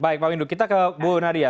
baik pak windu kita ke bu nadia